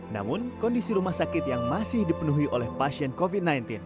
namun kondisi rumah sakit yang masih dipenuhi oleh pasien covid sembilan belas